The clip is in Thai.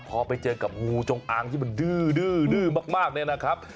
พอไปเจอกับงูจงอางที่มันดื้อมากเนี่ยนะครับ